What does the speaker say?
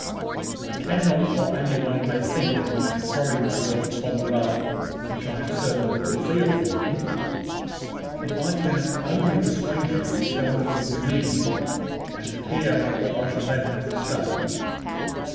I care not what any one may think of my throwing myself upon the love which I am certain you feel for me, if I can only persuade you to tell me what you mean, and to hear what I shall then have to say.